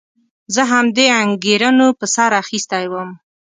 زه همدې انګېرنو په سر اخیستی وم.